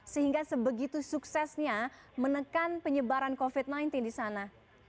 sehingga sebegitu suksesnya menekan penyebaran covid sembilan belas di sana